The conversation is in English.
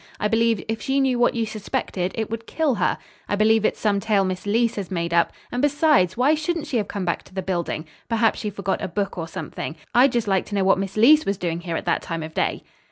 I believe, if she knew what you suspected, it would kill her. I believe it's some tale Miss Leece has made up. And besides, why shouldn't she have come back to the building? Perhaps she forgot a book or something. I'd just like to know what Miss Leece was doing here at that time of day."